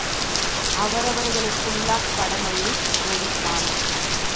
அவரவர்களுக்குள்ளாக் கடமையைப் போதித்தான்.